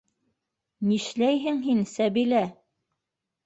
Нишләйһең һин, Сәбилә?!